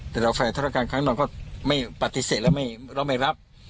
แต่ฝ่ายธุรการข้างนอกก็ปฏิเสธเราไม่รับ